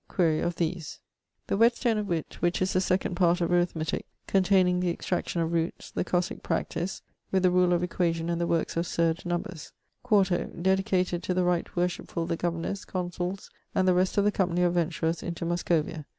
Quaere of these. The Whetstone of Witt, which is the second part of Arithmetick, containing the extraction of rootes, the cossicke practice, with the rule of equation and the workes of surd nombers. Quarto; dedicated 'to the right worshipfull the governors, consulles, and the rest of the company of venturers into Muscovia.'